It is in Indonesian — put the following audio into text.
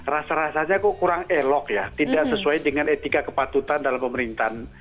rasa rasanya kok kurang elok ya tidak sesuai dengan etika kepatutan dalam pemerintahan